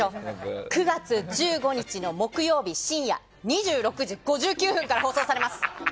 ９月１５日の木曜日、深夜２６時５９分から放送されます。